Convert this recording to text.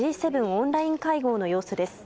オンライン会合の様子です。